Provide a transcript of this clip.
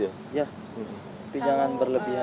iya pijangan berlebihan juga